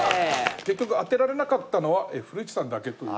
結局当てられなかったのは古市さんだけという。